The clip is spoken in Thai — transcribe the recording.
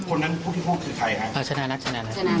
คนนั้นพวกที่พวกคือใครฮะอ่าชนะนัดชนะนัดชนะนัด